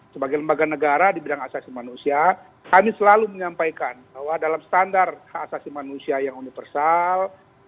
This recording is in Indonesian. sebagai lembaga negara di bidang asasi manusia kami selalu menyampaikan bahwa dalam standar hak asasi manusia yang universal